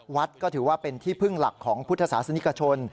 วัดก็ถือว่าเป็นที่พึ่งหลักของพุทธศาสนิกชน